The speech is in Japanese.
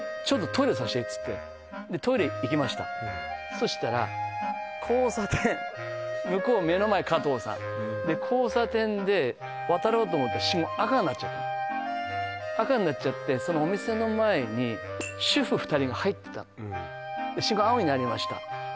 「ちょっとトイレさせて」っつってトイレ行きましたそしたら交差点向こう目の前かとうさんで交差点で渡ろうと思った信号赤になっちゃったの赤になっちゃってそのお店の前に主婦２人が入っていったの信号青になりました